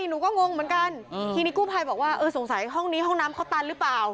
หนูก็งงเหมือนกันทีนี้กู้ภัยบอกว่าเออสงสัยห้องนี้ห้องน้ำเขาตันหรือเปล่า